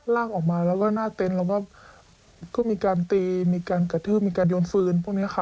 ลากออกมาแล้วก็หน้าเต็นต์แล้วก็มีการตีมีการกระทืบมีการโยนฟืนพวกนี้ค่ะ